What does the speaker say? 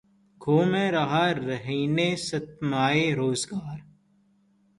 گو میں رہا رہینِ ستمہائے روزگار